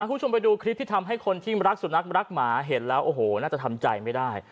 คุณผู้ชมไปดูคลิปที่ทำให้คนที่รักสุนัขรักหมาเห็นแล้วโอ้โหน่าจะทำใจไม่ได้